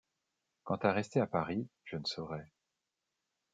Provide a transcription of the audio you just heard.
Quant à rester à Paris, je ne saurais.